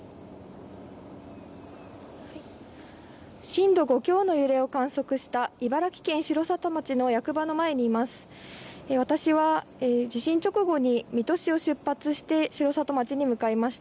震度５強の揺れを観測した茨城県城里町の役場の前にいます。